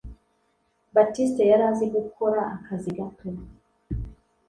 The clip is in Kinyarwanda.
Baptiste yari azi gukora akazi gato